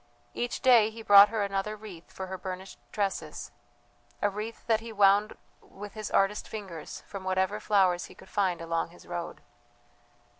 Each day he brought her another wreath for her burnished tresses a wreath that he wound with his artist fingers from whatever flowers he could find along his road.